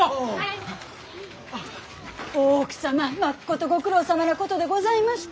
大奥様まっことご苦労さまなことでございました！